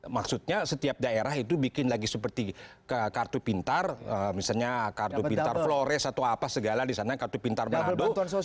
maksudnya setiap daerah itu bikin lagi seperti kartu pintar misalnya kartu pintar flores atau apa segala di sana kartu pintar manado